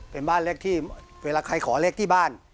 เป็นบ้านเลขที่เวลาใครขอเลขที่บ้าน